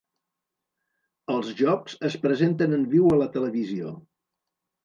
Els jocs es presenten en viu a la televisió.